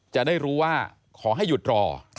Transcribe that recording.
จะได้รู้ว่าขอให้หยุดรอ